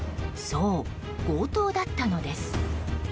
そう、強盗だったのです。